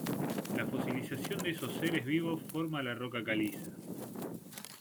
La fosilización de esos seres vivos forma la roca caliza.